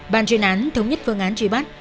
bàn truyền án thống nhất phương án truy bắt